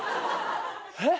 えっ？